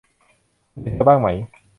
คุณเห็นเธอบ้างไหม